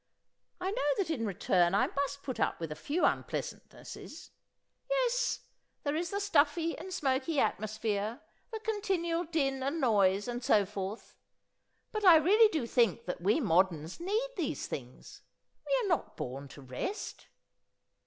I know that in return I must put up with a few unpleasantnesses. Yes, there is the stuffy and smoky atmosphere, the continual din and noise, and so forth. But I really do think that we moderns need these things. We are not born to rest."